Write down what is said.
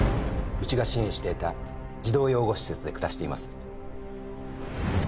うちが支援していた児童養護施設で暮らしています。